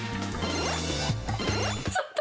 ちょっと。